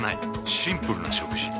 シンプルな食事。